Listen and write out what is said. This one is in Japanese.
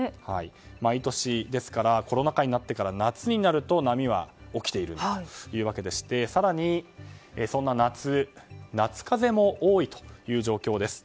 毎年ですからコロナ禍になってから夏になると波は起きているわけでして更に、そんな夏夏風邪も多いという状況です。